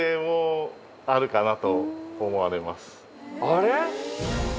あれ？